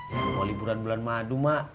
mau liburan bulan madu mak